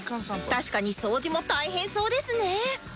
確かに掃除も大変そうですね